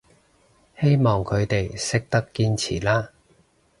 希望佢哋識得堅持啦